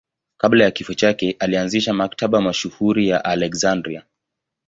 Kabla ya kifo chake alianzisha Maktaba mashuhuri ya Aleksandria.